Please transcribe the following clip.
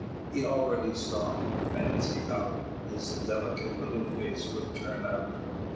He already saw in fancy how this delicate little face would turn out.